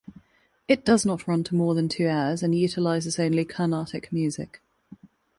It does not run to more than two hours and utilises only Carnatic music.